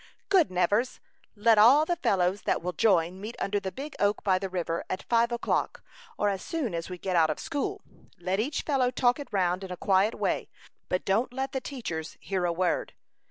"Good, Nevers! Let all the fellows that will join meet under the big oak by the river, at five o'clock, or as soon as we get out of school. Let each fellow talk it round in a quiet way, but don't let the teachers hear a word."